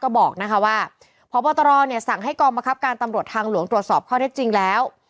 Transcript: ก็บอกนะคะว่าพบตรเนี่ยสั่งให้กองบังคับการตำรวจทางหลวงตรวจสอบข้อเท็จจริงแล้ว